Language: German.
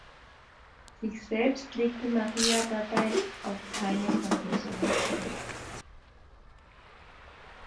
Sich selbst legte Maria dabei auf keine Konfession fest.